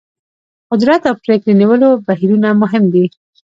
قدرت او پرېکړې نیولو بهیرونه مهم دي.